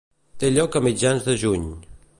Té lloc a mitjans de juny.